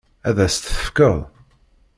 Ad as-tt-tefkeḍ?